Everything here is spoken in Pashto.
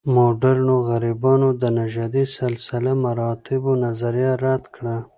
مډرنو غربیانو د نژادي سلسله مراتبو نظریه رد کړه.